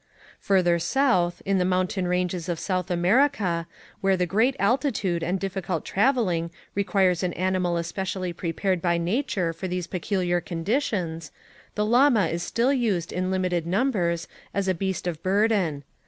Further south, in the mountain ranges of South America, where the great alti tude and difficult travelling requires an animal especially prepared by nature for these peculiar conditions, the llama is still used in limited numbers as a beast of burden.